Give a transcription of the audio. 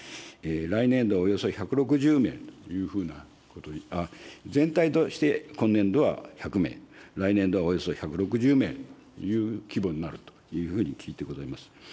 来年度はおよそ１６０名というふうなことで、全体として今年度は１００名、来年度はおよそ１６０名という規模になるというふうに聞いてございます。